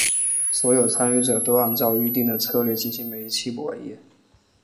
所有参与者都按照预定的策略进行每一期博弈。